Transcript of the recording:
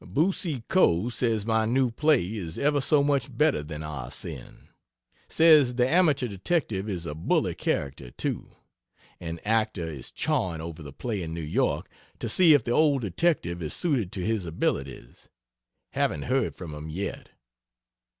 Boucicault says my new play is ever so much better than "Ah Sin;" says the Amateur detective is a bully character, too. An actor is chawing over the play in New York, to see if the old Detective is suited to his abilities. Haven't heard from him yet.